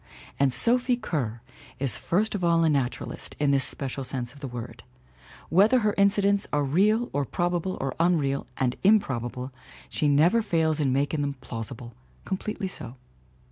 And Sophie Kerr is first of all a naturalist in this special sense of the word. Whether her incidents are real or probable or unreal and improbable she never fails in making them plausi ble, completely so.